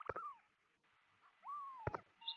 এবং এর জন্য আমরা শুধুমাত্র একজন মানুষকে ধন্যবাদ জানাতে চাই।